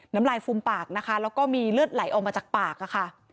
น้ำลายฟูมปากนะคะแล้วก็มีเลือดไหลออกมาจากปากค่ะ